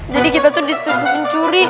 jadi kita tuh diturunkan curi